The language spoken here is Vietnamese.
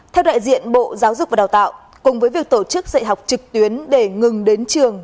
theo đại diện bộ giáo dục và đào tạo cùng với việc tổ chức dạy học trực tuyến để ngừng đến trường